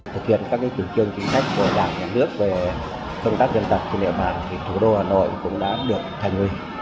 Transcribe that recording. thực hiện các kiểm chương chính sách của đảng nhà nước về công tác dân tộc trên địa bàn thì thủ đô hà nội cũng đã được thành viên